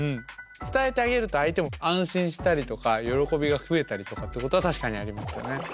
伝えてあげると相手も安心したりとか喜びが増えたりとかってことは確かにありますよね。